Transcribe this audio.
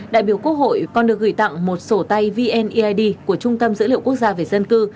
đại biểu quốc hội còn được gửi tặng một sổ tay vneid của trung tâm dữ liệu quốc gia về dân cư